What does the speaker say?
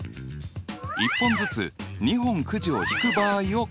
１本ずつ２本くじを引く場合を考えてみよう。